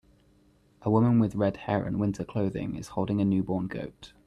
A woman with redhair and winter clothing is holding a newborn goat.